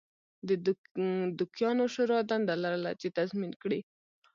د دوکیانو شورا دنده لرله چې تضمین کړي